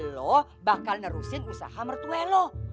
lo bakal nerusin usaha mertue loh